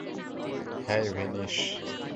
হেই, Dennis.